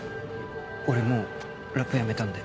俺もうラップやめたんで。